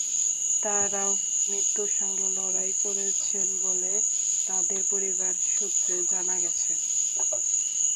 তাঁরাও মৃত্যুর সঙ্গে লড়াই করছেন বলে তাঁদের পরিবার সূত্রে জানা গেছে।